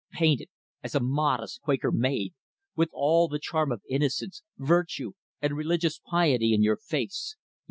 _ painted as a modest Quaker Maid, with all the charm of innocence, virtue, and religious piety in your face.